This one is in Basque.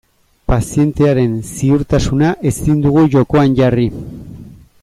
Pazientearen ziurtasuna ezin dugu jokoan jarri.